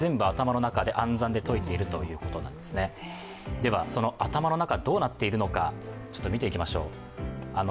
ではその頭の中、どうなっているのか見ていきましょう。